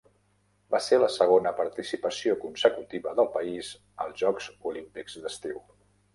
Va ser la segona participació consecutiva del país als Jocs Olímpics d'estiu.